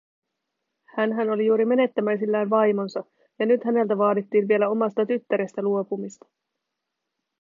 Hänhän oli juuri menettämäisillään vaimonsa, ja nyt häneltä vaadittiin vielä omasta tyttärestä luopumista.